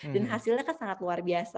dan hasilnya kan sangat luar biasa